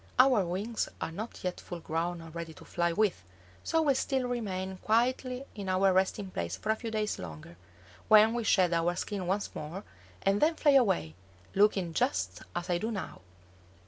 Our wings are not yet full grown or ready to fly with, so we still remain quietly in our resting place for a few days longer, when we shed our skin once more, and then fly away, looking just as I do now.